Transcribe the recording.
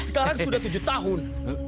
sekarang sudah tujuh tahun